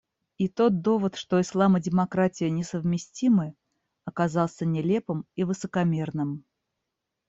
И тот довод, что ислам и демократия несовместимы, оказался нелепым и высокомерным.